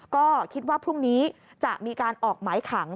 ก็คิดว่าพรุ่งนี้จะมีการออกหมายขัง